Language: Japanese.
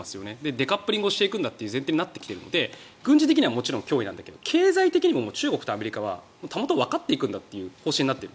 デカップリングをしていくんだという前提なので軍事的には脅威だけど経済的にも中国とアメリカはたもとを分かっていくんだという方針になっている。